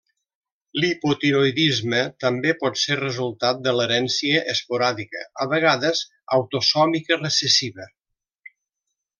L'hipotiroïdisme també pot ser resultat de l'herència esporàdica, a vegades autosòmica recessiva.